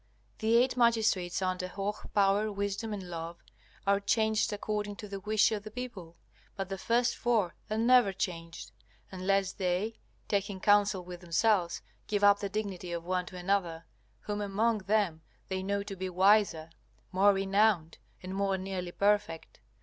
The eight magistrates under Hoh, Power, Wisdom, and Love are changed according to the wish of the people, but the first four are never changed, unless they, taking counsel with themselves, give up the dignity of one to another, whom among them they know to be wiser, more renowned, and more nearly perfect.